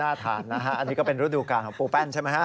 ทานนะฮะอันนี้ก็เป็นฤดูการของปูแป้นใช่ไหมฮะ